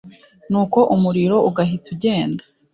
nuko umuriro ugahita ugenda,